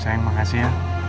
sayang makasih ya